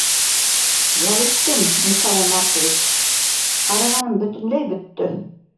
— Ял иттем, Николай Маркович, арығаным бөтөнләй бөттө.